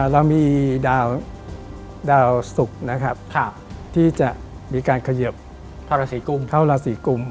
เรามีดาวสุกนะครับที่จะมีการเขยิบเท่าละ๔กลุ่ม